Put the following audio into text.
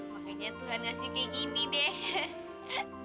makanya tuhan ngasih kayak gini deh